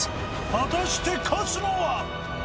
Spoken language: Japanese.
果たして勝つのは？